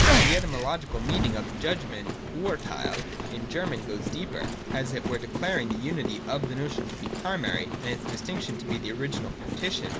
— The etymological meaning of the Judgment (JJrtheil) in German goes deeper, as it were declaring the unity of the notion to be primary, and its distinction to be the original partition.